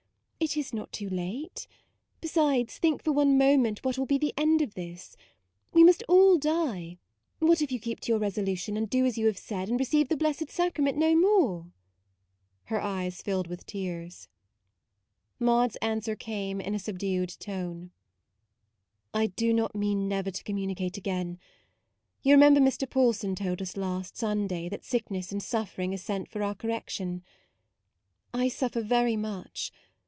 It is not too late: MAUDE 73 besides, think for one moment what will be the end of this. We must all die : what if you keep to your resolution, and do as you have said, and receive the Blessed Sacrament no more ?" Her eyes filled with tears. Maude's answer came in a sub dued tone :" I do not mean never to communicate again. You re member Mr. Paulson told us last, Sunday that sickness and suffering are sent for our correction. I suffer very much.